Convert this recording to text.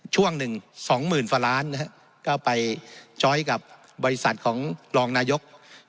ช่วงหนึ่ง๒๐๐๐๐ล้านก็ไปจอยกับบริษัทของรองนายก